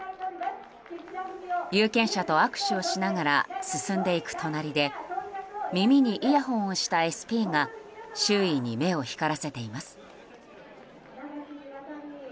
有権者と握手をしながら進んでいく隣で耳にイヤホンをしたＳＰが周囲に目を光らせています。